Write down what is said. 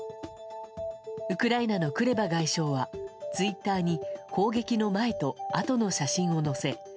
ウクライナのクレバ外相はツイッターに攻撃の前とあとの写真を載せ